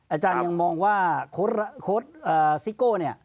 อาจารย์ยังมองว่าโค้ดซิโก้เนี่ย